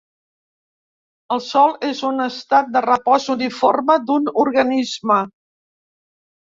El son és un estat de repòs uniforme d'un organisme.